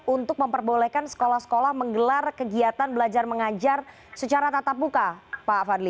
untuk memperbolehkan sekolah sekolah menggelar kegiatan belajar mengajar secara tatap muka pak fadli